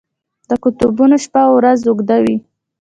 د قطبونو شپه او ورځ اوږده وي.